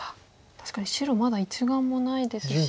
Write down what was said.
確かに白まだ１眼もないですし